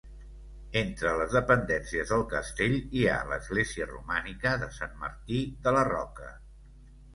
Entre les dependències del castell hi ha l'església, romànica, de Sant Martí de la Roca.